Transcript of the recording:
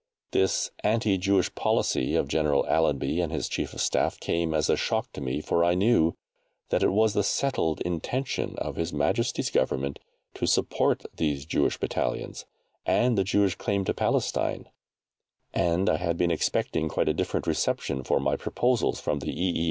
This anti Jewish policy of General Allenby and his Chief of Staff came as a shock to me, for I knew that it was the settled intention of His Majesty's Government to support these Jewish Battalions, and the Jewish claim to Palestine, and I had been expecting quite a different reception for my proposals from the E.